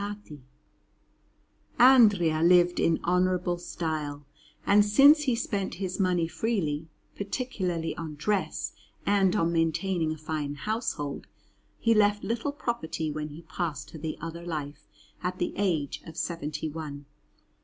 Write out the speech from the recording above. London: National Gallery, 1215_) Mansell] Andrea lived in honourable style, and since he spent his money freely, particularly on dress and on maintaining a fine household, he left little property when he passed to the other life at the age of seventy one.